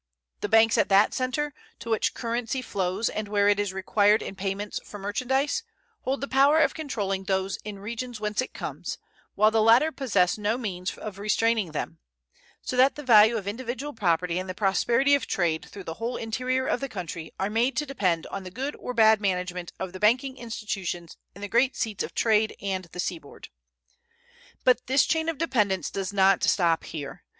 The banks at that center, to which currency flows and where it is required in payments for merchandise, hold the power of controlling those in regions whence it comes, while the latter possess no means of restraining them; so that the value of individual property and the prosperity of trade through the whole interior of the country are made to depend on the good or bad management of the banking institutions in the great seats of trade on the seaboard. But this chain of dependence does not stop here.